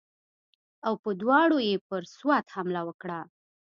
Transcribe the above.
او په دواړو یې پر سوات حمله وکړه.